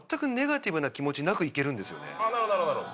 なるほどなるほど。